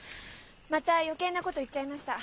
また余計なこと言っちゃいました。